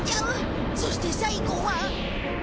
そして最後は！